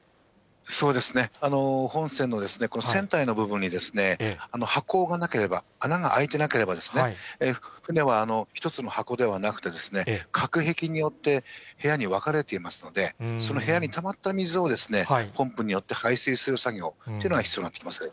そうですね、本船の船体の部分に、箱がなければ、穴が開いてなければ、船は１つの箱ではなくて、隔壁になって部屋に分かれていますので、その部屋にたまった水を、ポンプによって排水作業というのが必要になってきます。